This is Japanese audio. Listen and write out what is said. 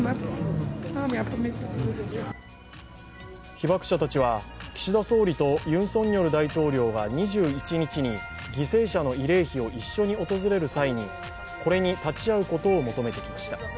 被爆者たちは、岸田総理とユン・ソンニョル大統領が２１日に犠牲者の慰霊碑を一緒に訪れる際にこれに立ち会うことを求めてきました。